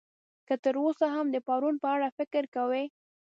که تر اوسه هم د پرون په اړه فکر کوئ.